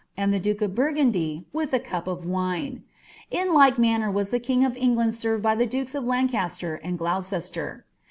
UM> thp duke of Burgundy with the cup of wine. In like manner was lh« king of England aerred by ihe duke« of Lancaster and Gloucester.